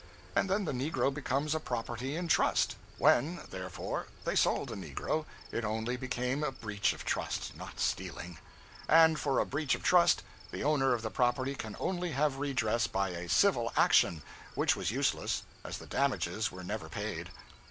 And then the negro becomes a property in trust, when, therefore, they sold the negro, it only became a breach of trust, not stealing; and for a breach of trust, the owner of the property can only have redress by a civil action, which was useless, as the damages were never paid.